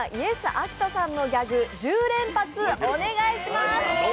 アキトさんのギャグ１０連発お願いします！